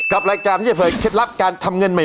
กับรายการที่เกิดเคล็ดลับการทำเงินมา